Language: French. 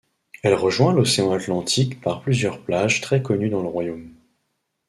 Elle rejoint l'océan Atlantique par plusieurs plages très connues dans le Royaume.